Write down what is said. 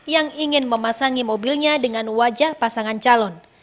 yang ingin memasangi mobilnya dengan wajah pasangan calon